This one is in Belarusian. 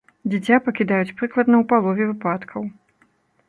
Дзіця пакідаюць прыкладна ў палове выпадкаў.